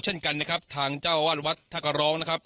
เช่นกันนะครับทางเจ้าวาดวัดท่ากระร้องนะครับ